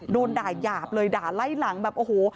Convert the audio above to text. โดนด่ายาบเลยด่าไล่หลังแบบโอ้โห